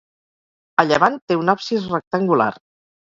A llevant té un absis rectangular.